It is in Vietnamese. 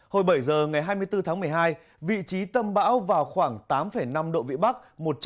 hồi bảy giờ ngày hai mươi bốn tháng một mươi hai vị trí tâm bão vào khoảng tám năm độ vĩ bắc